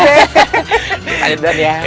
iya pak d